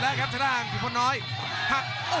โอ้โหโอ้โหโอ้โหโอ้โห